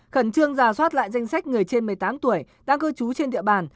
khẩn trương giả soát lại danh sách người trên một mươi tám tuổi đang cư trú trên địa bàn